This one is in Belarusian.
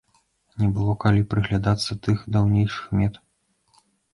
Не было калі прыглядацца тых даўнейшых мет.